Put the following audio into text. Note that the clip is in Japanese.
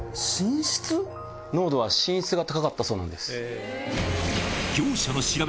濃度は寝室が高かったそうなんです。